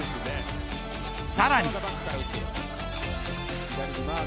さらに。